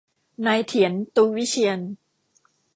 นายเถียร ตูวิเชียร